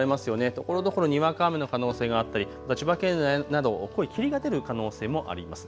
ところどころにわか雨の可能性があったり千葉県など濃い霧が出る可能性もあります。